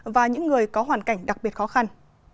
và những người có hoàn cảnh đặc biệt khó khăn